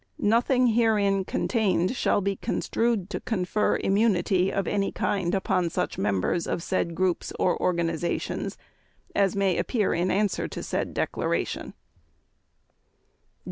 Nothing herein contained shall be construed to confer immunity of any kind upon such members of said groups or organizations as may appear in answer to the said declaration.